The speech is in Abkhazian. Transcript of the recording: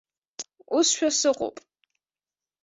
Усшәа сыҟоуп.